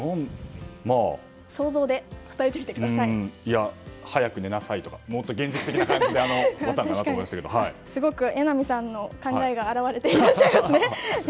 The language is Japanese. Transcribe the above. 想像で答えてみてください。早く寝なさいとか現実的な感じだったのかなとすごく榎並さんの考えが表れていらっしゃいますね。